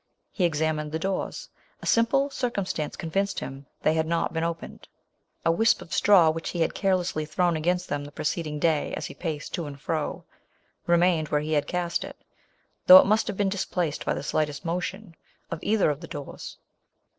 He examined the doors. A simple circumstance convinced him they had not been opened. A wisp of straw, which he had care lessly thrown against them the pre ceding day, as he paced to and fro, remained where he had cast it, though it must have been displaced by the slightest motion of either of the doors.